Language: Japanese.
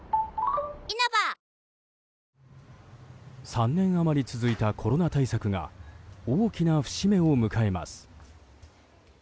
３年余り続いたコロナ対策が大きな節目を迎えます。